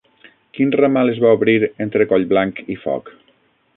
Quin ramal es va obrir entre Collblanc i Foc?